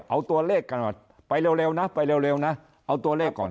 เอาตัวเลขกันหน่อยไปเร็วนะไปเร็วนะเอาตัวเลขก่อน